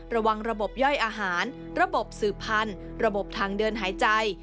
ระบบย่อยอาหารระบบสืบพันธุ์ระบบทางเดินหายใจ